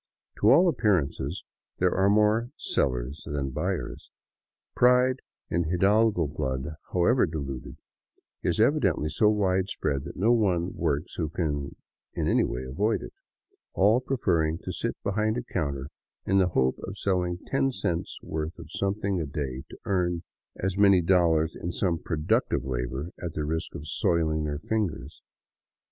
To all appearances, there are more sellers than buyers. Pride in hidalgo blood, however diluted, is evidently so widespread that no one works who can in any way avoid it, all preferring to sit behind a counter in the hope of selling ten cents' worth of something a day to earning as many dollars in some productive labor at the risk of soiling their fingers.